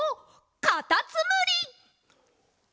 かたつむり！